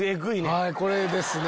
はいこれですね。